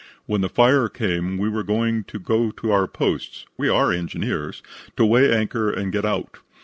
When the fire came we were going to our posts (we are engineers) to weigh anchor and get out.